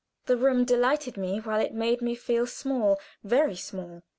The room delighted me while it made me feel small very small.